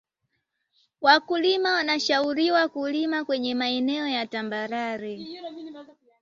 wakulima wanashauriwa kulima kwenye maeneo ya tambarare